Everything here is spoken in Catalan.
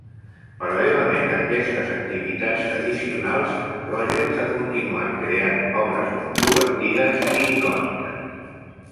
Paral·lelament a aquestes activitats addicionals, Rogers ha continuat creant obres controvertides i icòniques.